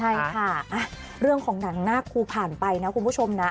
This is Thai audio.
ใช่ค่ะเรื่องของหนังหน้าครูผ่านไปนะคุณผู้ชมนะ